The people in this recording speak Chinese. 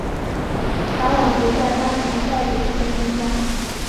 法网则在八强败给特松加。